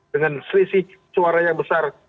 dengan selisih suara yang besar